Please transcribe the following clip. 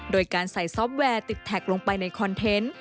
โดยการใส่ซอฟต์แวร์ติดแท็กลงไปในคอนเทนต์